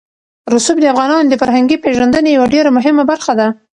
رسوب د افغانانو د فرهنګي پیژندنې یوه ډېره مهمه برخه ده.